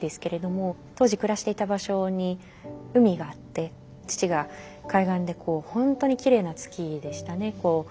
当時暮らしていた場所に海があって父が海岸でこう本当にきれいな月でしたね。